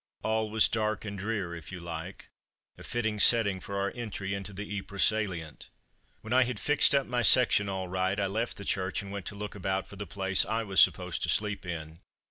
All was dark and drear, if you like: a fitting setting for our entry into the Ypres salient. When I had fixed up my section all right, I left the church and went to look about for the place I was supposed to sleep in.